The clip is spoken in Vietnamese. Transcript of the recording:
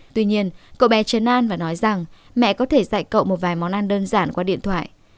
tuy nhiên cậu bé trần an và nói rằng mẹ có thể dạy cậu một vài món ăn đơn giản qua điện thoại